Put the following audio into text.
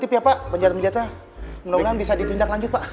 ya pak penjaga penjagaan ini semoga bisa ditindak lanjut pak